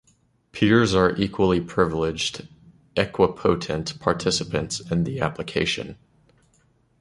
Peers are equally privileged, equipotent participants in the application.